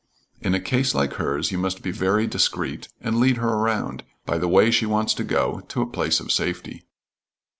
In a case like hers you must be very discreet, and lead her around, by the way she wants to go, to a place of safety."